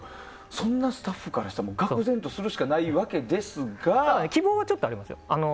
そんなスタッフからしたらがくぜんとするしかただね、希望はちょっとありますよ。